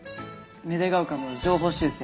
芽出ヶ丘の情報修正。